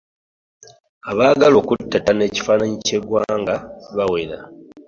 Abaagala okuttattana ekifaananyi ky'eggwanga bawera.